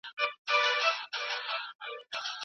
سياست پوهنه د ټولنې په پرمختګ کي لوړ مقام لري.